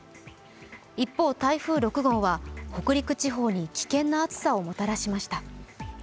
一方、台風６号は北陸地方に危険な暑さをもたらしました。